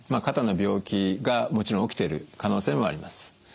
肩の病気がもちろん起きている可能性もあります。